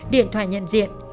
và nhận diện